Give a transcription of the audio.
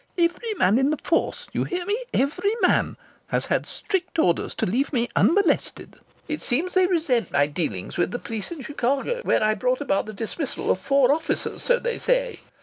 Every man in the force you hear me, every man has had strict orders to leave me unmolested. It seems they resent my dealings with the police in Chicago, where I brought about the dismissal of four officers, so they say.